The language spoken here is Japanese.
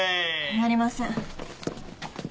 やりません。